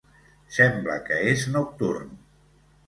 Sembla que és nocturn.